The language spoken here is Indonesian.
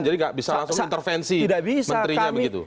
jadi tidak bisa langsung intervensi menterinya begitu